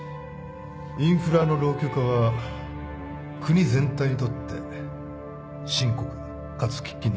インフラの老朽化は国全体にとって深刻かつ喫緊の問題です。